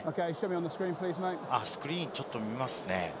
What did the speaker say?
スクリーンをちょっと見ますね。